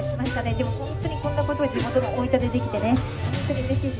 でも本当にこんなことを地元の大分でできてね、本当にうれしいです。